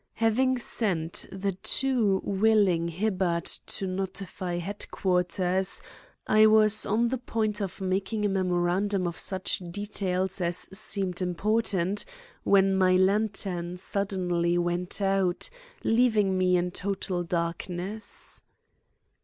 Having sent the too willing Hibbard to notify headquarters, I was on the point of making a memorandum of such details as seemed important, when my lantern suddenly went out, leaving me in total darkness.